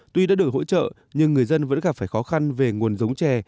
tuy đã được hỗ trợ nhưng người dân vẫn gặp phải khó khăn về nguồn giống chè